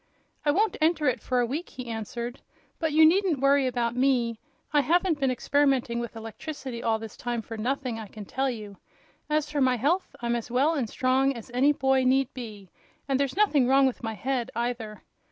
"I won't enter it for a week," he answered. "But you needn't worry about me. I haven't been experimenting with electricity all this time for nothing, I can tell you. As for my health, I'm as well and strong as any boy need be, and there's nothing wrong with my head, either.